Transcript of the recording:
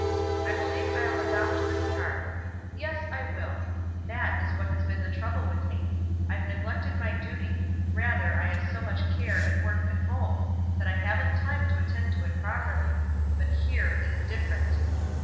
I believe I'll adopt this card. Yes, I will that is what has been the trouble with me. I've neglected my duty rather I have so much care and work at home, that I haven't time to attend to it properly but here it is different.